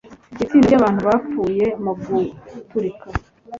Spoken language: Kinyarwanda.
itsinda ryabantu bapfuye muguturika